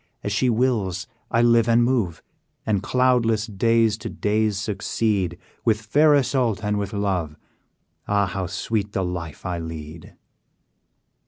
As she wills, I live and move, And cloudless days to days succeed: With fair Isoude, and with love, Ah! how sweet the life I lead!